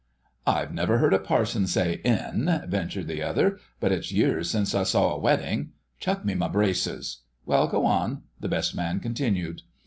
"I've never heard a parson say 'N,'" ventured the other, "but it's years since I saw a wedding—chuck me my braces—Well, go on." The Best Man continued.